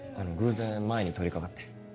偶然前に通りかかって。